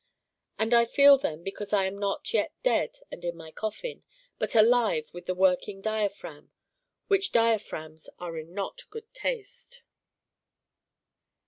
And I feel them because I am not yet dead and in my coffin, but alive and with a working diaphragm: which diaphragms are in not Good Taste.